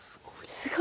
すごい。